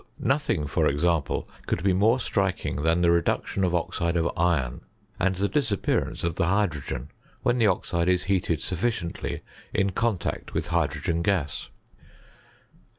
Nothing, for example, could be more striking, than the re duction of oxide of iron, and the disappearance of the hydrogen when the oxide is heated sufficiently in contact with hydrogen gas.